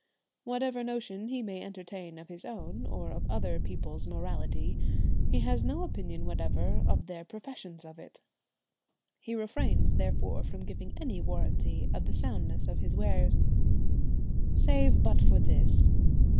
Whatever notion he may entertain of his own, or of other people's morality, he has no opinion whatever of their professions of it. He refrains therefore from giving any warranty of the soundness of his wares. Save but for this.